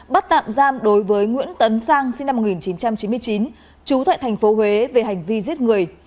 bắt tạm giam đối với nguyễn tấn sang sinh năm một nghìn chín trăm chín mươi chín trú tại thành phố huế về hành vi giết người